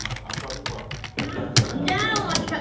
そんじゃあお待ちかね！